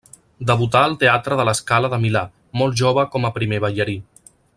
Debutà al teatre de La Scala de Milà, molt jove com a primer ballarí.